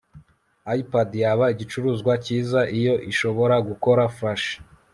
ipad yaba igicuruzwa cyiza iyo ishobora gukora flash